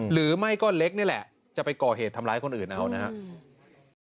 หรือไม่ก็เล็กนี่แหละจะไปก่อเหตุทำร้ายคนอื่นเอานะครับ